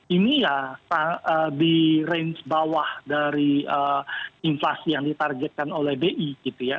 ini ya di range bawah dari inflasi yang ditargetkan oleh bi gitu ya